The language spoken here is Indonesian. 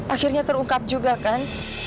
akhirnya terungkap juga kan